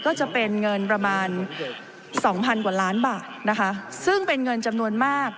ก็จะเป็นเงินประมาณสองพันกว่าล้านบาทนะคะซึ่งเป็นเงินจำนวนมาก